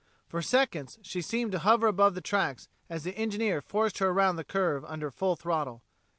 For seconds she seemed to hover above the tracks as the engineer forced her around the curve under full throttle.